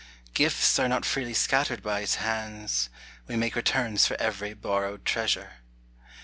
Gifts are not freely scattered by its hands; We make returns for every borrowed treasure.